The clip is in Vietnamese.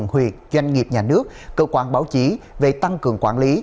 huyện doanh nghiệp nhà nước cơ quan báo chí về tăng cường quản lý